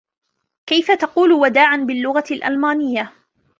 كيف تقول " وداعًا " باللغة الألمانية ؟